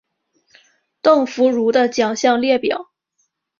邓福如的奖项列表